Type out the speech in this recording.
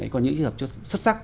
còn những sự nghiệp xuất sắc